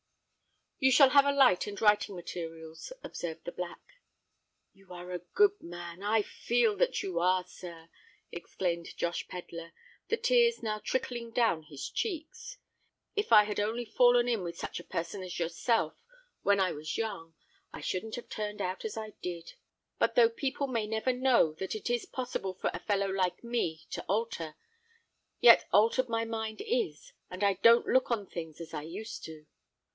"You shall have a light and writing materials," observed the Black. "You are a good man—I feel that you are, sir!" exclaimed Josh Pedler, the tears now trickling down his cheeks. "If I had only fallen in with such a person as yourself, when I was young, I shouldn't have turned out as I did. But though people may never know that it is possible for a fellow like me to alter, yet altered my mind is—and I don't look on things as I used to do."